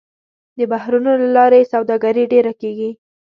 د بحرونو له لارې سوداګري ډېره کېږي.